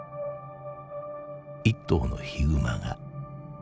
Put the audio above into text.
一頭のヒグマが死んだ。